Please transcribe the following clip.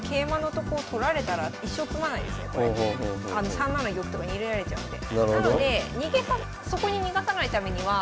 ３七玉とか逃げられちゃうんで。